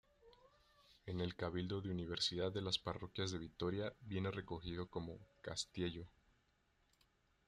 En el Cabildo de Universidad de las parroquias de Vitoria viene recogido como "Castiello".